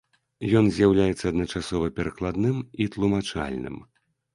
Ён з'яўляецца адначасова перакладным і тлумачальным.